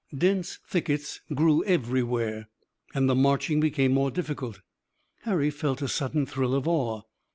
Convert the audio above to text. Dense thickets grew everywhere, and the marching became more difficult. Harry felt a sudden thrill of awe.